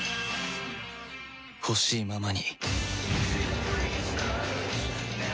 ほしいままに